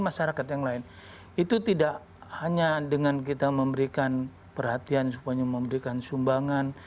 masyarakat yang lain itu tidak hanya dengan kita memberikan perhatian supaya memberikan sumbangan